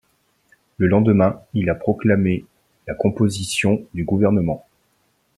Le lendemain, il a proclamé la composition du gouvernement.